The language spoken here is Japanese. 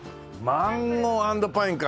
マンゴー＆パインか。